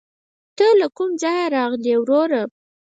ته له کوم ځايه راغلې ؟ وروره